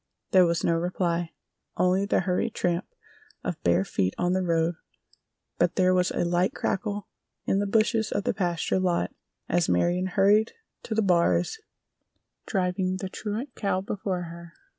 There was no reply, only the hurried tramp of bare feet in the road, but there was a light crackle in the bushes of the pasture lot as Marion hurried to the bars driving the truant cow before her.